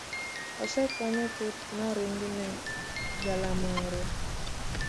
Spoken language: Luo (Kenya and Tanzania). Osekwanye chuth noringi ne galamoro